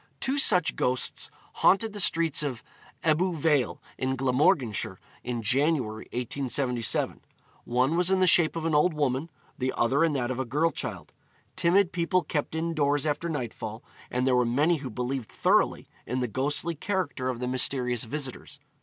Two such ghosts haunted the streets of Ebbw Vale, in Glamorganshire, in January, 1877. One was in the shape of an old woman, the other in that of a girl child. Timid people kept indoors after nightfall, and there were many who believed thoroughly in the ghostly character of the mysterious visitors.